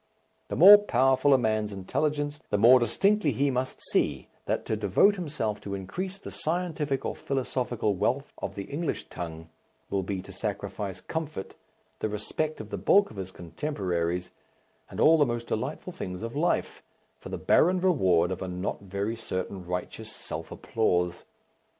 The more powerful a man's intelligence the more distinctly he must see that to devote himself to increase the scientific or philosophical wealth of the English tongue will be to sacrifice comfort, the respect of the bulk of his contemporaries, and all the most delightful things of life, for the barren reward of a not very certain righteous self applause.